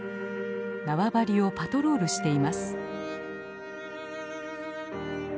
縄張りをパトロールしています。